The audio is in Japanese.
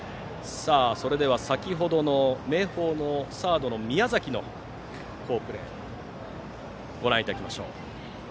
それでは先ほどの明豊のサード、宮崎の好プレーをご覧いただきましょう。